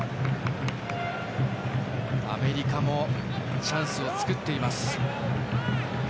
アメリカもチャンスを作っています。